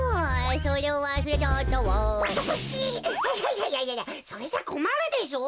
いやいやそれじゃこまるでしょ？